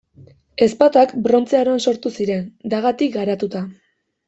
Ezpatak Brontze Aroan sortu ziren, dagatik garatuta.